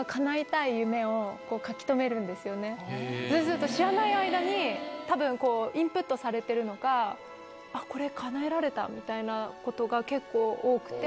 そうすると知らない間にたぶんこうインプットされてるのか「これ叶えられた」みたいなことが結構多くて。